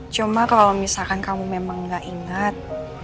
cuma kalau misalkan kamu memang gak ingat